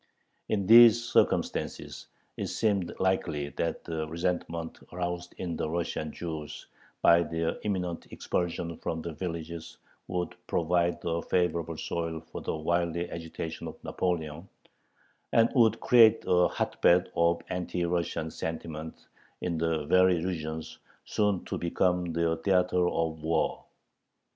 In these circumstances it seemed likely that the resentment aroused in the Russian Jews by their imminent expulsion from the villages would provide a favorable soil for the wily agitation of Napoleon, and would create a hotbed of anti Russian sentiment in the very regions soon to become the theater of war.